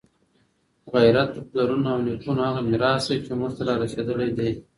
غیرت د پلرونو او نیکونو هغه میراث دی چي موږ ته رارسېدلی دی.